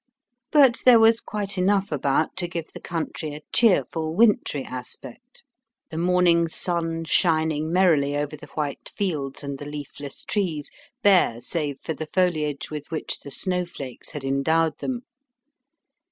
But there was quite enough about to give the country a cheerful wintry aspect, the morning sun shining merrily over the white fields and the leafless trees, bare save for the foliage with which the snowflakes had endowed them.